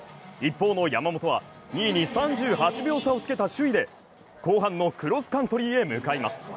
一方の山本は２位に３８秒差をつけた首位で後半のクロスカントリーへ向かいます。